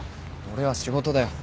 俺は仕事だよ。